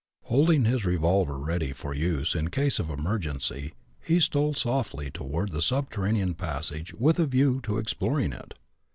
Holding his revolver ready for use in case of emergency, he stole softly toward the subterranean passage, with a view to exploring it.